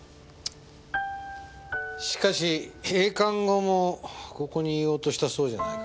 しかし閉館後もここにいようとしたそうじゃないか。